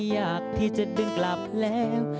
อยากที่จะดึงกลับแล้ว